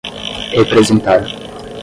representar